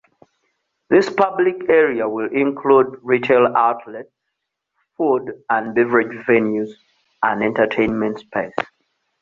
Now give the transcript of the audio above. This public area will include retail outlets, food and beverage venues, and entertainment space.